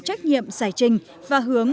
trách nhiệm giải trình và hướng